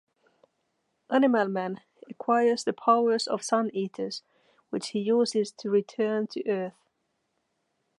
Animal Man acquires the powers of Sun-Eaters, which he uses to return to Earth.